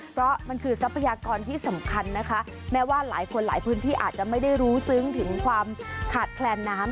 เพราะมันคือทรัพยากรที่สำคัญนะคะแม้ว่าหลายคนหลายพื้นที่อาจจะไม่ได้รู้ซึ้งถึงความขาดแคลนน้ำ